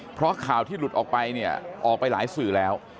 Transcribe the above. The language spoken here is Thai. เพราะข่าวที่หลุดออกไปเนี่ยออกไปหลายสื่อแล้ว